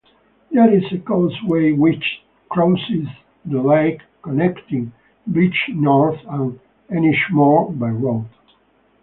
There is a causeway which crosses the lake, connecting Bridgenorth and Ennismore by road.